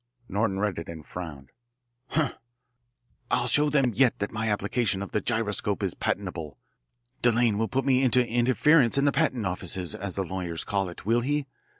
Norton read it and frowned. "Humph! I'll show them yet that my application of the gyroscope is patentable. Delanne will put me into 'interference' in the patent office, as the lawyers call it, will he?